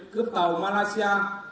cướp tàu malaysia